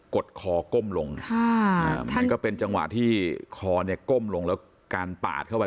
ดคอก้มลงมันก็เป็นจังหวะที่คอเนี่ยก้มลงแล้วการปาดเข้าไป